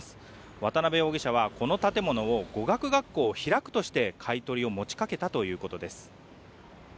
渡邉容疑者はこの建物を語学学校を開くとして買い取りを持ちかけたということです。